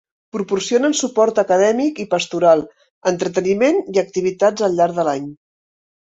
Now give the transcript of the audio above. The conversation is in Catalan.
Proporcionen suport acadèmic i pastoral, entreteniment i activitats al llarg de l'any.